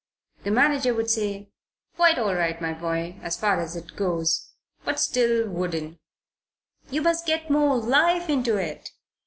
The manager would say, "Quite all' right, my boy, as far as it goes, but still wooden. You must get more life into it."